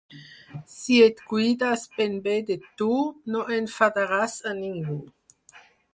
Si et cuides ben bé de tu, no enfadaràs a ningú.